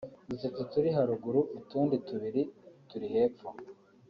dutatu turi haruguru utundi tubiri turi hepfo